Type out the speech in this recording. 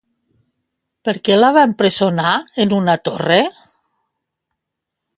Per què la va empresonar en una torre?